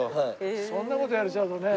そんな事言われちゃうとね。